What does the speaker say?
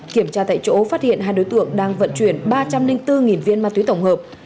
kiểm tra tại chỗ phát hiện hai đối tượng đang vận chuyển ba trăm linh bốn viên ma túy tổng hợp